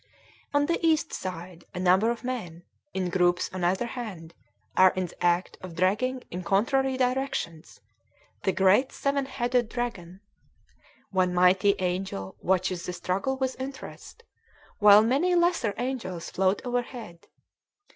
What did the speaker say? ] On the east side a number of men, in groups on either hand, are in the act of dragging in contrary directions the great seven headed dragon. One mighty angel watches the struggle with interest, while many lesser angels float overhead.